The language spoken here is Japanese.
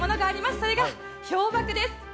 それが氷瀑です。